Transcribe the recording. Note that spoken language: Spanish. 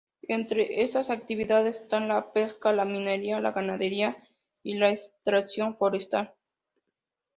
Entre estas actividades están: la pesca, la minería, la ganadería y la extracción forestal.